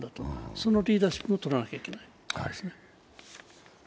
そのリーダーシップをとらなきゃいけないですね。